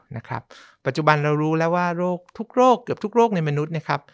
นะครับปัจจุบันเรารู้แล้วว่าโรคทุกโรคเกือบทุกโรคในมนุษย์นะครับ